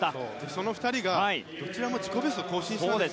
その２人が、どちらも自己ベストを更新したんです。